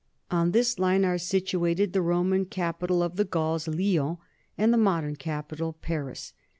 On this line are sit uated the Roman capital of the Gauls, Lyons, and the modern capital, Paris.